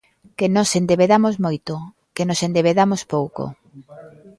Que nos endebedamos moito, que nos endebedamos pouco.